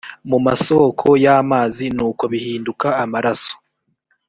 mu masoko y amazi nuko bihinduka amaraso